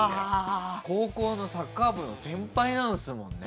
高校のサッカー部の先輩なんすもんね？